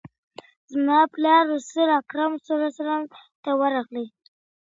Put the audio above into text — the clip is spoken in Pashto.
زما پلار رسول اکرم صلی الله عليه وسلم ته ورغلی.